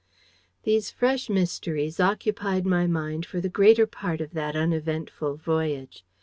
These fresh mysteries occupied my mind for the greater part of that uneventful voyage.